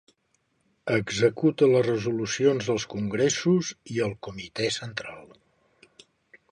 Executa les resolucions dels congressos i el Comitè Central.